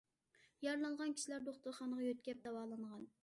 يارىلانغان كىشىلەر دوختۇرخانىغا يۆتكەپ داۋالانغان.